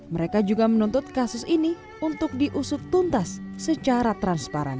mereka juga menuntut kasus ini untuk diusut tuntas secara transparan